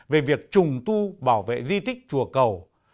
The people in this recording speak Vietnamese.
về việc trùng tu bảo vệ di tích chùa cầu